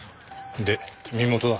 で身元は？